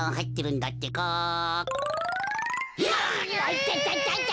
いたたた！